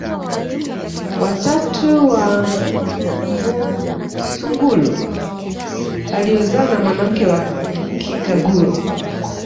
watatu wa mbunsungulu aliozaa na mwanamke wa kikaguru